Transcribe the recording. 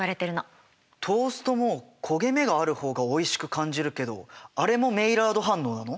トーストも焦げ目がある方がおいしく感じるけどあれもメイラード反応なの？